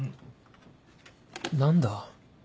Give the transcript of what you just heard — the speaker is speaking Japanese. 何だ？